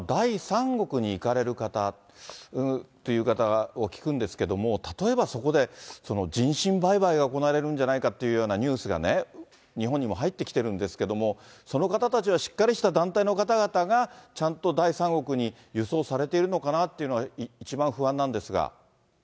第三国に行かれる方って聞くんですけども、例えばそこで人身売買が行われるんじゃないかっていうような、ニュースがね、日本にも入ってきてるんですけども、その方たちは、しっかりした団体の方々がちゃんと第三国に輸送されているのかなっていうのが、一番不安なんですが。